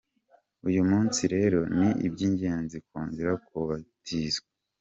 Uyu munsi rero ni iby’ingenzi kongera kubatizwa.